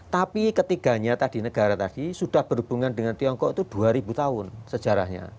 tapi ketiganya tadi negara tadi sudah berhubungan dengan tiongkok itu dua ribu tahun sejarahnya